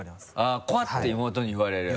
あっ「怖い」って妹に言われる？